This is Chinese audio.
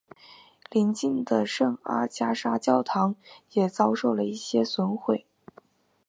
邻近的圣阿加莎教堂也遭受了一些损毁。